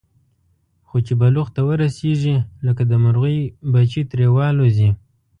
خو چې بلوغ ته ورسېږي، لکه د مرغۍ بچي ترې والوځي.